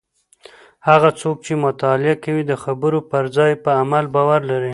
هغه څوک چې مطالعه کوي د خبرو پر ځای په عمل باور لري.